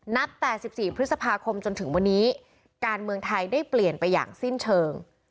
แต่๑๔พฤษภาคมจนถึงวันนี้การเมืองไทยได้เปลี่ยนไปอย่างสิ้นเชิง